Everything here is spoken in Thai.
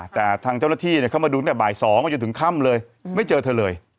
แต่ทางเจ้าหน้าที่เข้ามาดูตั้งแต่บ่าย๒ไปจนถึงค่ำเลยไม่เจอเธอเลย